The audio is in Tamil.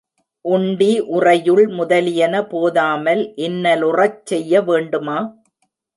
உண்டி, உறையுள் முதலியன போதாமல் இன்னலுறச் செய்ய வேண்டுமா?